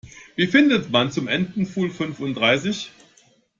Wie findet man zum Entenpfuhl fünfunddreißig?